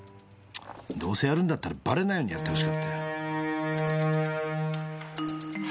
どうせやるんだったらバレないようにやって欲しかったよ。